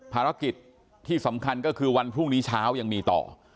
ภารกิจที่สำคัญก็คือวันพรุ่งนี้เช้ายังมีต่อ